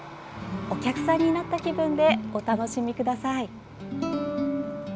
お客さんになった気分でお楽しみください。